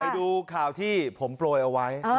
ไปดูข่าวที่ผมโปรยเอาไว้